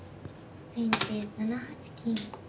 先手７八金。